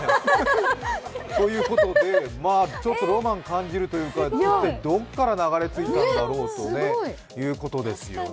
ということでちょっとロマン感じるというかどこから流れ着いたんだろうということですよね。